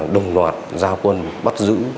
đồng loạt giao quân bắt giữ